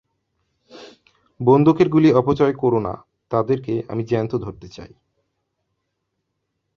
বন্দুকের গুলি অপচয় করো না, তাদেরকে আমি জ্যান্ত ধরতে চাই।